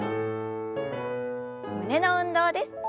胸の運動です。